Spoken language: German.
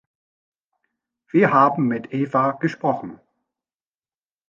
Wir haben mit Eva gesprochen.